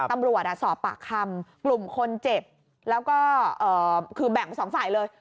ตำรวจสอบปากคำกลุ่มคนเจ็บแล้วก็คือแบ่งสองฝ่ายเลย